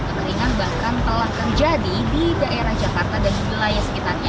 kekeringan bahkan telah terjadi di daerah jakarta dan wilayah sekitarnya